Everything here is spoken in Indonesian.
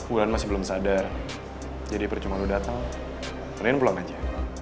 ulan masih belum sadar jadi percuma lo datang tarian pulang aja